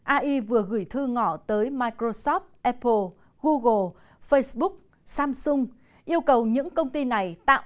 ai vừa gửi thư ngỏ tới microsoft apple google facebook samsung yêu cầu những công ty này tạo